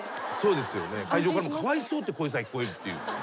会場からもかわいそうって声さえ聞こえるという。